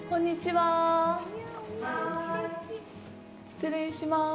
失礼します。